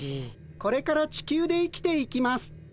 これからチキュウで生きていきます。